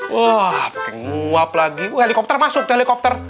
wah pake muap lagi helikopter masuk tuh helikopter